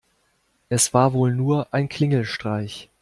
Es war wohl nur ein Klingelstreich.